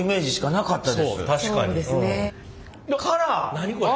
何これ？